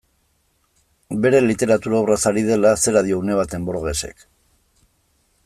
Bere literatur obraz ari dela, zera dio une batean Borgesek.